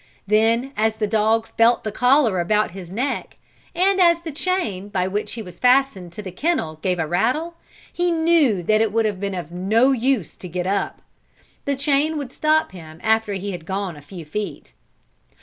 Then, as the dog felt the collar about his neck, and as the chain by which he was fastened to the kennel gave a rattle, he knew that it would have been of no use to get up. The chain would stop him after he had gone a few feet.